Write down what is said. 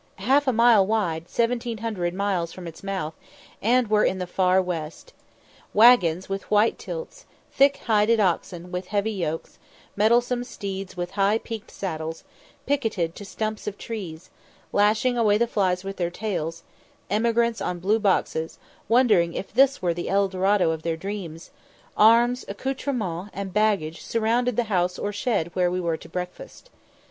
half a mile wide seventeen hundred miles from its mouth, and were in the far West. Waggons with white tilts, thick hided oxen with heavy yokes, mettlesome steeds with high peaked saddles, picketed to stumps of trees, lashing away the flies with their tails; emigrants on blue boxes, wondering if this were the El Dorado of their dreams; arms, accoutrements, and baggage surrounded the house or shed where we were to breakfast.